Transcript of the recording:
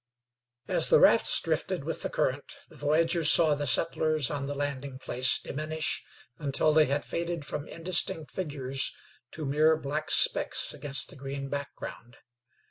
As the rafts drifted with the current the voyagers saw the settlers on the landing place diminish until they had faded from indistinct figures to mere black specks against the green background.